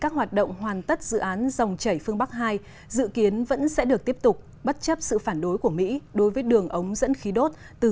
các hoạt động hoàn tất dự án dòng chảy phương bắc hai dự kiến vẫn sẽ được tiếp tục bất chấp sự phản đối của mỹ đối với đường ống dẫn khí đốt từ nga đến đức này